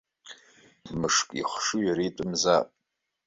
Мышкы ихшыҩ иара итәымзаап.